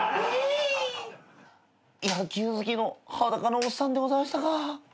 野球好きの裸のおっさんでございましたか。